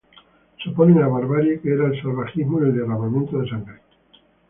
Se opone a barbarie que era el salvajismo y el derramamiento de sangre.